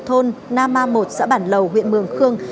thôn nama một xã bản lầu huyện mương khương